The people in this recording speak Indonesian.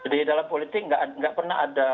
di dalam politik nggak pernah ada